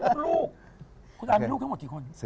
คุณอันลูกต่อหมดกี่คน